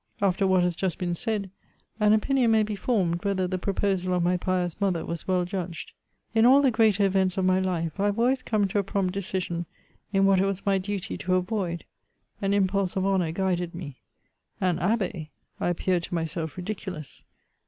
After what has just been said, an opinion may be formed whether the proposal of my pious mother was well judged. In all the greater events of my life, I have always come to a prompt decision in what it was my duty to avoid ; an impulse of honour guided me. An Abb^? I appeared to myself ridiculous.